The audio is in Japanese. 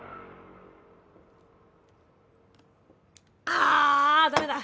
ああダメだ！